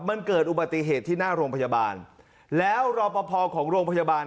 มันเกิดอุบัติเหตุที่หน้าโรงพยาบาลแล้วรอปภของโรงพยาบาล